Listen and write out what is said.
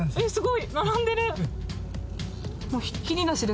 すごい。